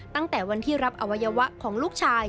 ตั้งแต่วันที่รับอวัยวะของลูกชาย